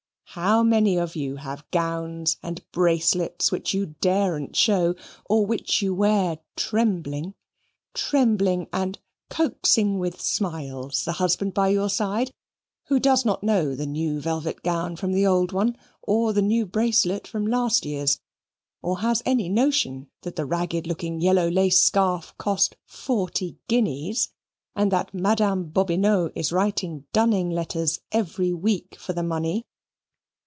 How many of you have gowns and bracelets which you daren't show, or which you wear trembling? trembling, and coaxing with smiles the husband by your side, who does not know the new velvet gown from the old one, or the new bracelet from last year's, or has any notion that the ragged looking yellow lace scarf cost forty guineas and that Madame Bobinot is writing dunning letters every week for the money!